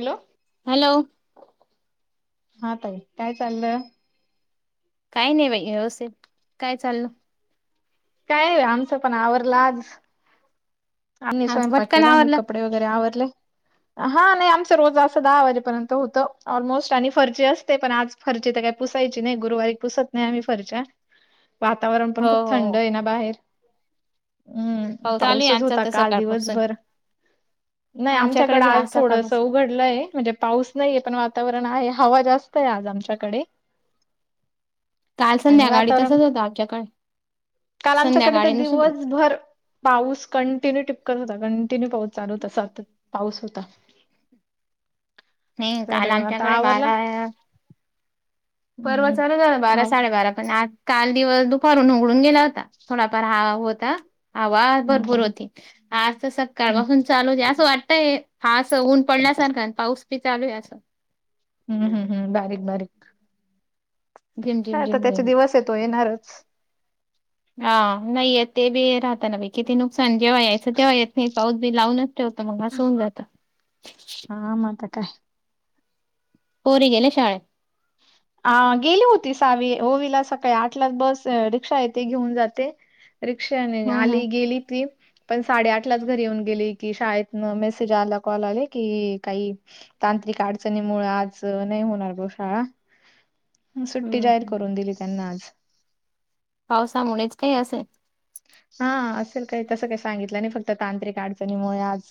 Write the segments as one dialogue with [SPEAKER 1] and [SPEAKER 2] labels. [SPEAKER 1] Hello!
[SPEAKER 2] Hello!
[SPEAKER 1] हा ताई, काय चाललंय?
[SPEAKER 2] काय नाही बाई, व्यवस्थित काय चाललं.
[SPEAKER 1] काय.. आमचं पण आवरला आज आणि
[SPEAKER 2] आज
[SPEAKER 1] स्वयंपाक
[SPEAKER 2] पटकन
[SPEAKER 1] केला. मी
[SPEAKER 2] आवरलं
[SPEAKER 1] कपडे वगैरे आवरले. हा नाही आमच रोज असं दहा वाजेपर्यंत होतं, ऑलमोस्ट आणि फरची असते पण आज फरची तर काही पुसायची नाही, गुरुवारी पुसत नाही आम्ही फरच्या. वातावरण
[SPEAKER 2] हो
[SPEAKER 1] पण खूप
[SPEAKER 2] हो
[SPEAKER 1] थंड हेय ना बाहेर. हम्म
[SPEAKER 2] पाऊस
[SPEAKER 1] पाऊसच
[SPEAKER 2] आलियात.
[SPEAKER 1] होता काल दिवसभर, नाही आमच्याकडे आज थोडस घडलंय म्हणजे पाऊस नाहीे, पण वातावरण आहे हवा जास्त आहे आज आमच्याकडे.
[SPEAKER 2] काल
[SPEAKER 1] [inaudible] आणि
[SPEAKER 2] संध्याकाळी तसच
[SPEAKER 1] वातावरण,
[SPEAKER 2] होतं आमच्याकडे
[SPEAKER 1] काल आमच्याकडे
[SPEAKER 2] संध्याकाळी
[SPEAKER 1] तर
[SPEAKER 2] नुस
[SPEAKER 1] दिवसभर पाऊस कंटिन्यू टिपकत होता, कंटिन्यू पाऊस चालू होता सातत पाऊस होता.
[SPEAKER 2] नाही
[SPEAKER 1] तर
[SPEAKER 2] काल
[SPEAKER 1] आता
[SPEAKER 2] आमच्याकडे
[SPEAKER 1] आवरला?
[SPEAKER 2] बारा परवा
[SPEAKER 1] हम्म
[SPEAKER 2] चालू राहिला बारा
[SPEAKER 1] हाव
[SPEAKER 2] साडेबारा पण आज काल दिवस दुपारून उघडून गेला होता. थोडाफार हवा होता हवा,
[SPEAKER 1] हम्म
[SPEAKER 2] भरपूर
[SPEAKER 1] हम्म
[SPEAKER 2] होती, आज तर सकाळपासूनच चालू असं वाटतय आसं, ऊन पडल्यासारख आणि पाऊस बि चालू आहे असं.
[SPEAKER 1] हम्म, हम् बारीक-बारीक
[SPEAKER 2] झिम झिम
[SPEAKER 1] आता
[SPEAKER 2] झिम
[SPEAKER 1] त्याचे
[SPEAKER 2] झिम
[SPEAKER 1] दिवस हे, तो येणारच.
[SPEAKER 2] हा नाहीयेत, ते बी राहतं ना बाई किती नुकसान जेव्हा यायचं तेव्हा येत नाही पाऊस बी लावूनच होतं मंग, असं होऊन जातं.
[SPEAKER 1] हा मं, आता काय?
[SPEAKER 2] पोरी गेले शाळेत.
[SPEAKER 1] अ, गेली होती सावी, ओवीला सकाळी आठलाच बस, रिक्षा येते घेऊन जाते रिक्षाने
[SPEAKER 2] हम्म हम्
[SPEAKER 1] आली गेली ती पण साडेआठलाच घरी येऊन गेले की, शाळेतनं मेसेज आला कॉल आले की काही तांत्रिक अडचणीमुळ आज, नाही होणार बॉ शाळा म, सुट्टी
[SPEAKER 2] हम्म
[SPEAKER 1] जाहीर
[SPEAKER 2] हम्म
[SPEAKER 1] करून दिली त्यांना आज.
[SPEAKER 2] पावसामुळेच काही असेल!
[SPEAKER 1] हा, असेल काही तसं काय सांगितलं नाही फक्त तांत्रिक अडचणीमुळे आज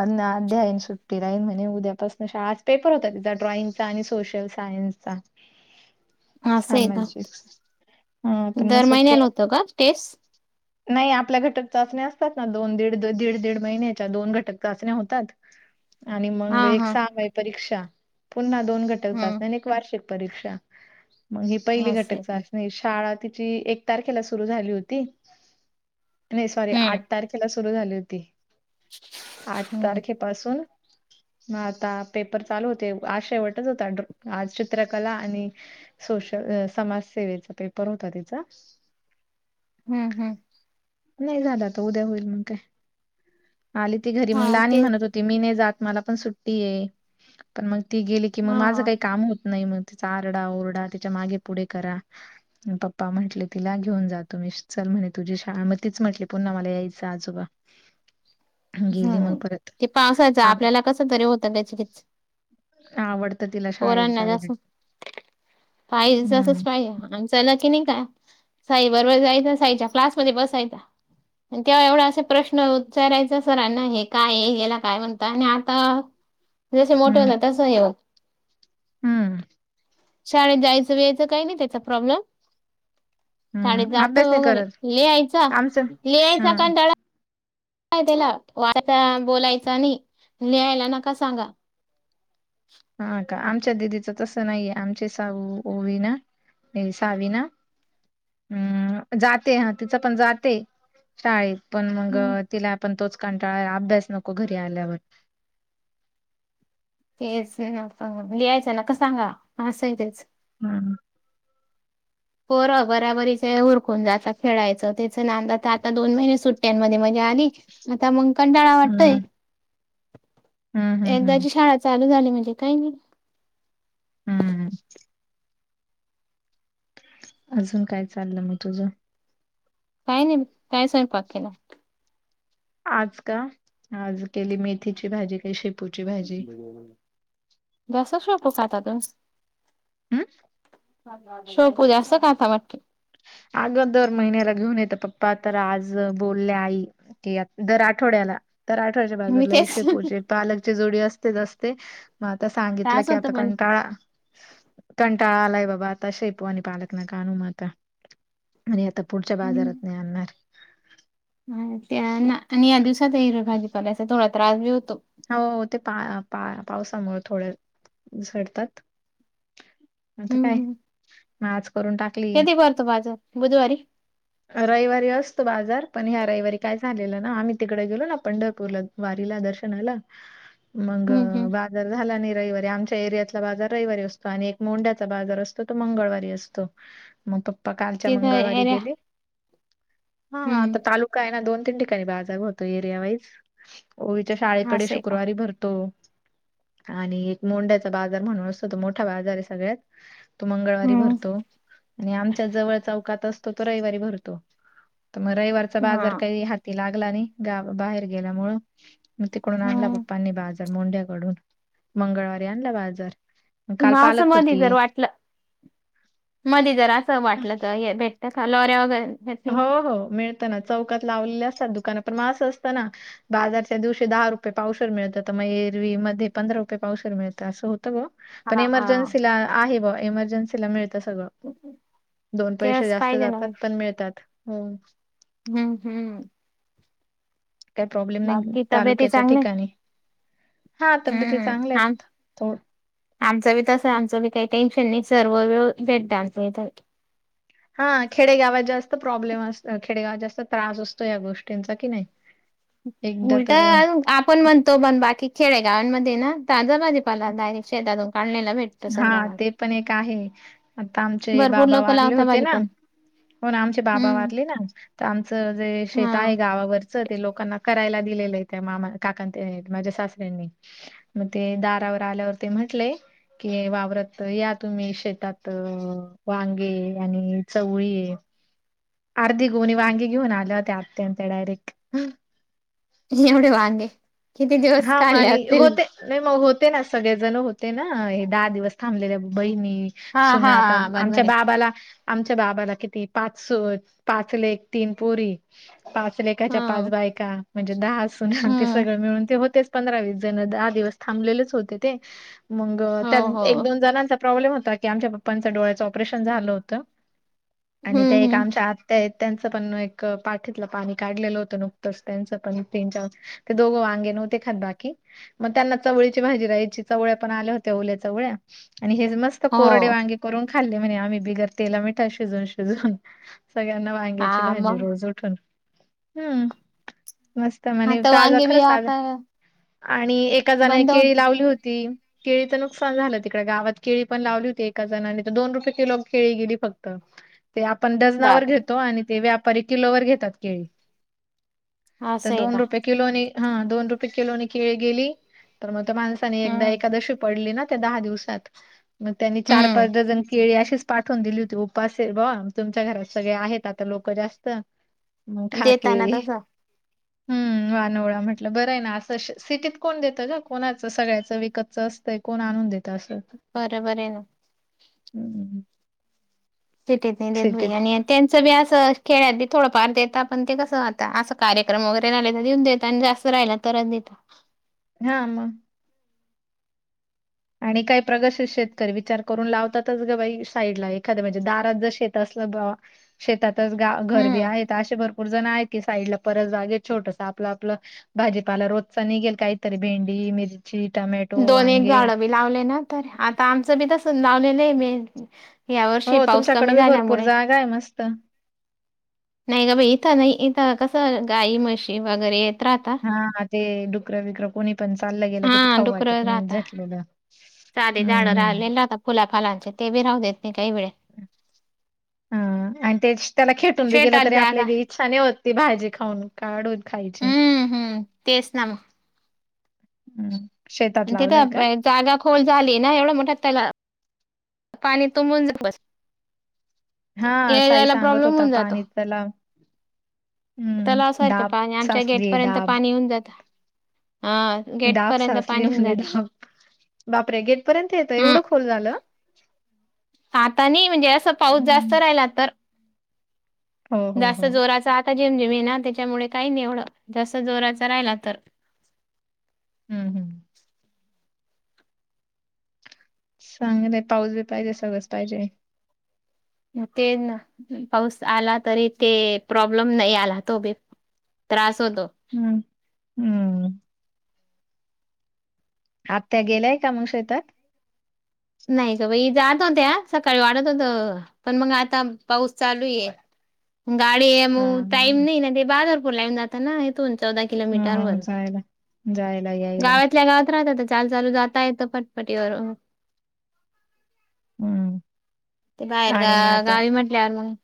[SPEAKER 1] अन, आध्या, आहेन सुट्टी राहिन म्हणे उद्यापसन शाळा, आज पेपर होता ड्रॉइंग आणि सोशल सायन्सचा
[SPEAKER 2] असं आहे का
[SPEAKER 1] सामाजिक, हं तर मग सुट्टी
[SPEAKER 2] तेस
[SPEAKER 1] नाही आपल्या घटक चाचण्या असतात ना, दोन- दीड, दीड -दीड महिन्याच्या दोन घटक चाचण्या होतात आणि मग
[SPEAKER 2] हा
[SPEAKER 1] एक
[SPEAKER 2] हा
[SPEAKER 1] सहामाई परीक्षा पुन्हा दोन घटक चाचण्या अन
[SPEAKER 2] हम्म
[SPEAKER 1] एक. वार्षिक परीक्षा मग हि पहिली
[SPEAKER 2] असं
[SPEAKER 1] घटक
[SPEAKER 2] आहे का
[SPEAKER 1] चाचणी. नाही शाळा तिची एक तारखेला सुरू झाली होती. सॉरी आठ
[SPEAKER 2] हम्म
[SPEAKER 1] तारखेला सुरु झाली होती आठ
[SPEAKER 2] हम्म
[SPEAKER 1] तारखे पाासून. मग आता पेपर चालू होते आज शेवटच होता ड्रा आज चित्रकला आणि. सोशल समाजसेवेचा पेपर होता तिचा.
[SPEAKER 2] हम्म हम्म.
[SPEAKER 1] नाही झालं आता उद्या होईल मग काय. आली ती घरी मग
[SPEAKER 2] हा
[SPEAKER 1] लाहनी
[SPEAKER 2] तेच
[SPEAKER 1] म्हणत होत. त मी नाही जात मला पण सुट्टी आहे. पण मग ती गेली की मग माझं
[SPEAKER 2] हा
[SPEAKER 1] काही काम होत. नाही मग तिचा आरडा ओरडा तिच्या मागे पुढे करा. पप्पा म्हटले तिला घेऊन जातो मी. चल म्हणे तुझी शाळा मं तीच म्हटली पुन्हा मला यायचं आजोबा. गेली मग
[SPEAKER 2] हम
[SPEAKER 1] परत
[SPEAKER 2] ते पावसाचं
[SPEAKER 1] आ-
[SPEAKER 2] आपल्याला कस तरी होतं गचगच.
[SPEAKER 1] आवडतं तिला शाळेत
[SPEAKER 2] पोरांना
[SPEAKER 1] जायला
[SPEAKER 2] असच पाहिजे तसंच
[SPEAKER 1] हम्म
[SPEAKER 2] पाहिजे म्हणायचं. त्याला की नाही का साई बरोबर जायचं साईच्या क्लास मध्ये बसायचा. तेव्हा एवढा असा प्रश्न उच्चा रायचा. सर हे काय येला काय म्हणता आणि आता जसे मोठे
[SPEAKER 1] हम्म
[SPEAKER 2] होता तसं हे.
[SPEAKER 1] हम्म
[SPEAKER 2] शाळेत जायचं बियचं काही नाही त्याचा प्रॉब्लेम. शाळेत
[SPEAKER 1] हम्म अभ्यास
[SPEAKER 2] जातोय
[SPEAKER 1] नाही
[SPEAKER 2] वगैरे
[SPEAKER 1] करत
[SPEAKER 2] लिहायचा
[SPEAKER 1] आमचं
[SPEAKER 2] लिहायचा
[SPEAKER 1] हं
[SPEAKER 2] कंटाळा. काय त्याला वाचा बोलायचा नहि लिहायला नका सांगा.
[SPEAKER 1] हा का आमच्या दिदीचं तसं नाहीये आमचे साऊू ओवी ना. सहावी ना हम् जाते हा तिचं पण जाते. शाळेत पण मग
[SPEAKER 2] हम्म
[SPEAKER 1] तिला आपण तोच कंटाळा अभ्यास नको घरी आल्यावर.
[SPEAKER 2] तेच लिहायचं नका सांगा असाय तेच.
[SPEAKER 1] हम.
[SPEAKER 2] पोर बराबरीचे उरकून जाता खेळायचं त्याच नांद तर आता दोन महिने सुट्ट''--'' टी यांमध्ये मजा आली आता मग कंटाळा
[SPEAKER 1] हम्म
[SPEAKER 2] वाटतय.
[SPEAKER 1] हम्म हम्म हम्म
[SPEAKER 2] एकदाची शाळा चालू झाली म्हणजे काही नाही.
[SPEAKER 1] हम्म. अजून काय चाललं म तुझं.
[SPEAKER 2] काय नाही काय सयंपाक केला.
[SPEAKER 1] आज का आज केली मेथीची भाजी काही शेपू.
[SPEAKER 2] दस शेपू खातात.
[SPEAKER 1] हम्म.
[SPEAKER 2] सोपू जास्त काथा वाट.
[SPEAKER 1] अगं दर महिन्याला घेऊन येत पप्पा तर आज बोलले आई. दर आठवड्याला. तर आठव्याच्या
[SPEAKER 2] मी
[SPEAKER 1] बाजूला एक
[SPEAKER 2] तेच
[SPEAKER 1] शेपूजे पालकची जोडी असतेच असते. मग आता सांगितलं
[SPEAKER 2] त्रास
[SPEAKER 1] की
[SPEAKER 2] होतो
[SPEAKER 1] आता
[SPEAKER 2] पण
[SPEAKER 1] कंटाळा. कंटाळालाय बाबा आता शेपवानी पालक ना कानू म आता. आणि आता पुढच्या बाजारात नाही आणणार.
[SPEAKER 2] हा त्या आणि या दिवसात येल भाजीपाल्याचा थोडा त्रास बी होतो.
[SPEAKER 1] हो हो ते पा पा पावसामुळे थोडे्या झडतात. म आता
[SPEAKER 2] हम्म
[SPEAKER 1] काय म आज करून टाकली.
[SPEAKER 2] करतो माझं. बुधवारी
[SPEAKER 1] रविवारी असतो बाजार पण ह्या रविवारी काय झालेलं ना आम्ही तिकडे गेलो ना पंढरपूरला वारीला दर्शनाला मग
[SPEAKER 2] हम्म हम्म
[SPEAKER 1] वा जार झाला नाही रविवारी आमच्या एरियातला बाजार रविवारी असतो आणि एक मोंड्याचा बाजार असतो तो मंगळवारी असतो मग पप्पा कालच्या
[SPEAKER 2] तिथं
[SPEAKER 1] मंगळवारी
[SPEAKER 2] एरिया
[SPEAKER 1] गेले हा
[SPEAKER 2] हम्म
[SPEAKER 1] आता तालुका आहे ना दोन, तीन ठिकाणी बाजार होतो एरिया वाईज ओवीच्या शाळेकडे
[SPEAKER 2] असं आहे का
[SPEAKER 1] शुक्रवारी भरतो आणि एक मोंड्याचा बाजार म्हणून असतो तो मोठा बाजार आहे सगळ्यात तो मंगळवारी
[SPEAKER 2] हम्म
[SPEAKER 1] भरतो आणि आमच्या जवळ चौकात असतो तो रविवारी भर तो म रविवारचा
[SPEAKER 2] हा
[SPEAKER 1] बाजार काई हा त लागला नाही गावा बाहेर गेल्यामुळ मग तिकडून आणला
[SPEAKER 2] हम्म
[SPEAKER 1] पप्पांनी बाज मोंढ्याकडून मंगळवारी आणला बाजार काल
[SPEAKER 2] मग असं
[SPEAKER 1] पालक
[SPEAKER 2] मधी
[SPEAKER 1] होती
[SPEAKER 2] जर वाटलं मध जर असं वाटलं तर हे भेट त्या [unintelligible] वगैरे भेटतील.
[SPEAKER 1] हो, हो मिळत ना चौकात लावलेले असतात दुकाना पण म असं असतं ना बाजारच्या दिवशी दहा रुपये पावशर मिळतं तर म एरवीमध्ये पंधरा रुपये पावशर मिळतं असं होतं ग पण
[SPEAKER 2] हा हा
[SPEAKER 1] इमर्जन्सीला आहे बा इमर्जन्सीला मिळतं सगळं दोन पैसे
[SPEAKER 2] तेच
[SPEAKER 1] जास्त
[SPEAKER 2] पाहिजे ना
[SPEAKER 1] जातात पण मिळतात हो
[SPEAKER 2] हम्म, हम्म
[SPEAKER 1] काही प्रॉब्लेम नाही
[SPEAKER 2] बाकी तब्येती
[SPEAKER 1] तालुक्याच्या
[SPEAKER 2] चांगल्या
[SPEAKER 1] ठिकाण हा तब्येती चांगल्या
[SPEAKER 2] हम्म आम
[SPEAKER 1] आहेत
[SPEAKER 2] आमचं बी तसं आमचं बी काही टेन्शन नाही सर्व वेळ भेटत आमच्या इथ
[SPEAKER 1] हा खेडेगावात जास्त प्रॉब्लेम असत खेडेगावात जास्त त्रास असतो या गोष्टींचा कि नाही [unintelligible] एकदा
[SPEAKER 2] उलट
[SPEAKER 1] तर अ,
[SPEAKER 2] आपण म्हणतो पण बाकी खेड गावांमध्ये ना ताजा भाजीपाला डायरेक शेतातून काढलेला भेट
[SPEAKER 1] हा ते पण एक आहे आता आमचे
[SPEAKER 2] भरपूर
[SPEAKER 1] बाबा
[SPEAKER 2] लोक
[SPEAKER 1] वारले
[SPEAKER 2] लावता
[SPEAKER 1] होते ना
[SPEAKER 2] भाजीपाला
[SPEAKER 1] होना आमचे बाबा
[SPEAKER 2] हम्म
[SPEAKER 1] वारले ना तर आमचं जे शेत
[SPEAKER 2] हा.
[SPEAKER 1] आहे गावावर ते लोकांना करायला दिलेलं आहे त्या मामा, काकांकडे ते माझ्या सासऱ्यांनी मग ते दारावर आल्यावर ते म्हंटले कि वावरत या तुम्ही शेतात वांगे आणि चवळी अर्धि गोनी वांगे घेऊन आल ते आतेयंत डायरेक
[SPEAKER 2] एवढे वांगे किती दिवस
[SPEAKER 1] हा मग
[SPEAKER 2] खाल्ले
[SPEAKER 1] आणि
[SPEAKER 2] असतील
[SPEAKER 1] होते नाही मग होते ना सगळेजण होते ना हे दहा दिवस थांबलेल्या बहिणी
[SPEAKER 2] हा
[SPEAKER 1] सुना
[SPEAKER 2] हा
[SPEAKER 1] आता आमच्या
[SPEAKER 2] बरोबर आहे.
[SPEAKER 1] बाबाला आमच्या बाबाला किती पाच सुन, पाच लेक, तीन पोरी पाच लेकाच्या पाच
[SPEAKER 2] हा
[SPEAKER 1] बायका म्हणजे दहा सूना ते
[SPEAKER 2] हम्म
[SPEAKER 1] सगळं मिळून हो पंधरा विस जण दहा दिवस थांबलेच होते ते मग
[SPEAKER 2] हो
[SPEAKER 1] त्या
[SPEAKER 2] हो
[SPEAKER 1] दोन जण प्रॉब्लेम होता की आमच्या पप्पांच डोळ्याचं ऑपरेशन झालं होत आणि त्या
[SPEAKER 2] हम्म
[SPEAKER 1] एक
[SPEAKER 2] हम्म
[SPEAKER 1] आमच्या आ ते त्यांचं पण एक पाठीतलं पाणी काढलेलं होतं नुकतंच त्यांचं पण त्यांच्या ते दोघं वांगे नवते खात बाकी मग त्यांना चवळीची भाजी राहायची चवळ्या पण आल्या होत्या ओल्या चवळ्या आणि हे मस्त कोरडे
[SPEAKER 2] हो
[SPEAKER 1] वांगे करून खाल्ले म्हणे आम्ही बिगर तेला मिठा शिजून, शिजून सगळ्यांना वांग्याची
[SPEAKER 2] हा
[SPEAKER 1] भाजी
[SPEAKER 2] मग
[SPEAKER 1] रोज उठून हम्म मस्त म्हणे
[SPEAKER 2] आता
[SPEAKER 1] ताजा
[SPEAKER 2] वांगे बी
[SPEAKER 1] खरंच ताजा
[SPEAKER 2] आता
[SPEAKER 1] आणि एका जनाने
[SPEAKER 2] बंद
[SPEAKER 1] केळी
[SPEAKER 2] होत
[SPEAKER 1] लावली होती केळीचं नुकसान झालं तिकडे गावात केळी पण लावली होती एका जणाने तर दोन रुपये किलो केळी गेली फक्त ते आपण डजनावर
[SPEAKER 2] बापरे
[SPEAKER 1] घेतो, आणि ते व्यापारी किलोवर घेतात केळी. तर
[SPEAKER 2] असं आहे
[SPEAKER 1] दोन
[SPEAKER 2] का
[SPEAKER 1] रुपये किलोने हा दोन रुपे किलोने केळी गेली, तर मग त्या माणसाने एकदा
[SPEAKER 2] हम्म
[SPEAKER 1] एकादशी पडली ना त्या दहा दिवसात मग त्यांनी चार
[SPEAKER 2] हम्म.
[SPEAKER 1] पाच डझन केळी अशिच पाठवून दिली होती. उपास आहे बुवा तुमच्या घरात सगळे आहेत आता लोक जास्त. म खा
[SPEAKER 2] देताना
[SPEAKER 1] केळी
[SPEAKER 2] तसं
[SPEAKER 1] हम्म वानोळा म्हटल बर नाही ना अस सिटीत कोण देत ग कोणाच सगळ्याच विकतच असत कोण आणून देत अस.
[SPEAKER 2] बरोबर आहे ना.
[SPEAKER 1] [inaudible]
[SPEAKER 2] सिटीत नाही देत
[SPEAKER 1] सिटीत
[SPEAKER 2] बयी. आणि त्यांच बी अस खेड्यात बी थोडफार देतात. पण ते कस आता अस कार्यक्रम वगैरे राहिल तर दीऊन देता ना जास्त. रायला तरच देतात.
[SPEAKER 1] हा मग आणि काही प्रगसित शेतकरी विचार करून लावतातच ग बाई साईडला एखाद्या म्हणजे दारात जर शेत तसल बवा शेतातच गा घरबी
[SPEAKER 2] हम्म
[SPEAKER 1] आहेत असे भरपूर जण आहेत. की साईड ला परस बागेत छोटस आपल आपल भाजीपाला रोजचा निघेल काहीतरी भेंडी, मिर्ची ची टोमॅटो,
[SPEAKER 2] दोन एक
[SPEAKER 1] वांगे
[SPEAKER 2] झाडं बी लावले ना तर आता आमच बी तसच लावलेल आहे मी. या वर्षी
[SPEAKER 1] हो
[SPEAKER 2] पाऊस
[SPEAKER 1] तुमच्याकडे
[SPEAKER 2] कमी
[SPEAKER 1] बी भरपूर
[SPEAKER 2] झाल्यामुळे
[SPEAKER 1] जागा आहे मस्त.
[SPEAKER 2] नाही ग बाई इथ नाही इथ कस गाई म्हशी वगैरे आहेत.
[SPEAKER 1] हा ते डुकर बिकर कोणी पण चालल गेल कि ते
[SPEAKER 2] हा
[SPEAKER 1] खाऊ वाटत
[SPEAKER 2] डुकरं
[SPEAKER 1] नाही
[SPEAKER 2] राहता.
[SPEAKER 1] झटलेल
[SPEAKER 2] साधे
[SPEAKER 1] हम्म
[SPEAKER 2] झाडं राहिलेले
[SPEAKER 1] हम्म
[SPEAKER 2] राहता फुला फालांचे ते बी राहू देत नाही काही वेळे.
[SPEAKER 1] [inaudible] ह आणि ते त्याला खेटून बी गेल
[SPEAKER 2] शेतात
[SPEAKER 1] तरी आपल्या
[SPEAKER 2] जागा
[SPEAKER 1] त इच्छा नाही होत ती भाजी खाऊन काढूून खायची.
[SPEAKER 2] हम्म हम्म तेच ना म
[SPEAKER 1] हम्म शेतात
[SPEAKER 2] आणि तिथ
[SPEAKER 1] लावलंय का?
[SPEAKER 2] जागा खोल झाली ना एवढा मोठा तला पाणी तुंबून जा
[SPEAKER 1] हा साई सांगत
[SPEAKER 2] प्रॉब्लेम
[SPEAKER 1] होता
[SPEAKER 2] होऊन जातो
[SPEAKER 1] पाणी तलाव
[SPEAKER 2] तलावसारख पाणी आमच्या
[SPEAKER 1] साचली
[SPEAKER 2] गेटपर्यंत
[SPEAKER 1] डाब
[SPEAKER 2] पाणी येऊन जात. हा गेट
[SPEAKER 1] डाब
[SPEAKER 2] पर्यंत
[SPEAKER 1] साचली
[SPEAKER 2] पाणी होऊन
[SPEAKER 1] म्हणे
[SPEAKER 2] जात
[SPEAKER 1] डाब. बापरे गेटपर्यंत येत.
[SPEAKER 2] हम
[SPEAKER 1] एवढ खोल झाल.
[SPEAKER 2] आता नाही म्हणजे अस पाऊस जास्त राहिला तर.
[SPEAKER 1] हो हो
[SPEAKER 2] जास्त
[SPEAKER 1] हो
[SPEAKER 2] जोराच आता झीमझीम आहे ना त्याच्यामुळे काही नाही एवढ. जास्त जोराचा राहिला तर.
[SPEAKER 1] हम्म हम्म चांगल आहे पाऊस बी पाहिजे. सगळच पाहिजे.
[SPEAKER 2] तेच ना पाऊस आला तरी ते प्रॉ प्रॉब्लेम. नाही आला तो बी त्रास होतो.
[SPEAKER 1] हम्म हम्म आत्या गेल्याय का मग शेतात.
[SPEAKER 2] नाही का बाई जात होत्या सकाळी वाटत होत. पण मग आता पाऊस चालू आहे. गाडी
[SPEAKER 1] हा
[SPEAKER 2] मग
[SPEAKER 1] हा
[SPEAKER 2] टाईम नाही ना ते बाजरपूरला येवुन जात ना इथून चौदा किलोमीटर वर.
[SPEAKER 1] हम्म जायला जायला याय
[SPEAKER 2] गावातल्या गावात राहता, तर चालू चालू जाता येत. फटफटीवर.
[SPEAKER 1] हम्म
[SPEAKER 2] ते बाहेर गा
[SPEAKER 1] आणि मग आता
[SPEAKER 2] गावी म्हटल्यावर मग?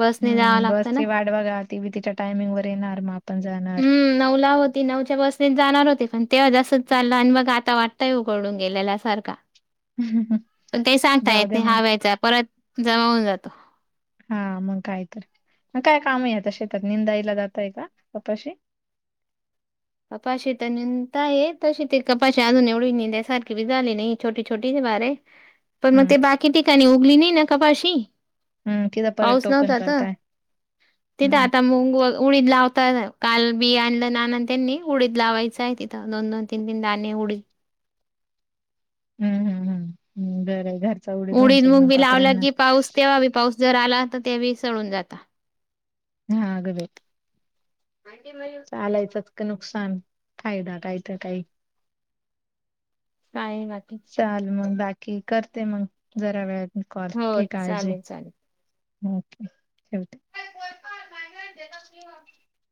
[SPEAKER 2] बसने जावं
[SPEAKER 1] हम्म
[SPEAKER 2] लागतं ना.
[SPEAKER 1] बसची वाट बघा ती बी तिच्या टायमिंग वर येणार. मग आपण जाणार.
[SPEAKER 2] हम्म नऊला होती. नऊच्या बसनेच जाणार होते. पण तेव्हा जास्त च चालला. आणि मग आता वाटतंय उघडून गेल्या सारखा.
[SPEAKER 1] [inaudible]
[SPEAKER 2] पण ते सांगता
[SPEAKER 1] जाऊ
[SPEAKER 2] येत
[SPEAKER 1] द्या
[SPEAKER 2] नाही.
[SPEAKER 1] म्हणून
[SPEAKER 2] हव्याचा परत जमावून जातो.
[SPEAKER 1] हा मग काय तर. मग काय कामय आता शेतात. निंदायला जातय का कपाशी?
[SPEAKER 2] कपाशी तर निताय. तशी ती कपाशी अजून एवढी निदाय सारखी बी झााली नाही. छोटी छोटीचे बारीक.
[SPEAKER 1] [inaudible]
[SPEAKER 2] पण मग ते बाकी ठिकाणी उगली नाही ना कपाशी.
[SPEAKER 1] हम्म तिथं परत
[SPEAKER 2] पाऊस
[SPEAKER 1] टोकन
[SPEAKER 2] नव्हता त.
[SPEAKER 1] करताय.
[SPEAKER 2] तीथ
[SPEAKER 1] हम्म
[SPEAKER 2] आता मुंग व उडीद लावतात. काल बी आणलं नानानी. त्यांनी. उडीद लावायचाय तिथं. दोन दोन तीन तीन दाणे उडीद.
[SPEAKER 1] हम्म हम्म हम्म हम्म. बर झाल.
[SPEAKER 2] उडीद मुग बी लावला की, पाऊस तेव्हा बी पाऊस जर आला तर ते बी सडून जात.
[SPEAKER 1] हा ग बाई.
[SPEAKER 2] आणिे मर [unintelligible]
[SPEAKER 1] चालायचच का नुकसान फायदा काय त काही.
[SPEAKER 2] काये बाकी?
[SPEAKER 1] चाल मग बाकी, करते मग, जरा वेळाने कॉल.
[SPEAKER 2] हो
[SPEAKER 1] घे काळजी.
[SPEAKER 2] चालेल चालेल.
[SPEAKER 1] ओके, ठेवते.
[SPEAKER 2] ेत [inaudible]